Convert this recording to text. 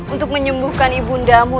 untuk menyembuhkan ibundamu